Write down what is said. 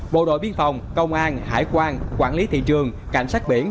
bộ đội biên phòng công an hải quan quản lý thị trường cảnh sát biển